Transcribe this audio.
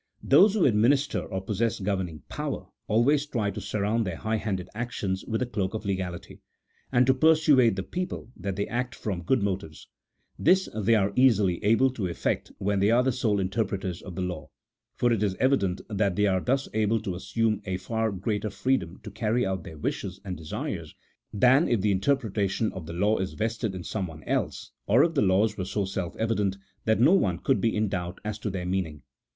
Those who administer or possess governing power, always try to surround their high handed actions with a cloak of legality, and to persuade the people that they act from good motives ; this they are easily able to effect when they are the sole interpreters of the law ; for it is evident that they are thus able to assume a far greater freedom to carry out their wishes and desires than if the interpretation of the law is vested in someone else, or if the laws were so self evident that no one could be in doubt as to their mean ing.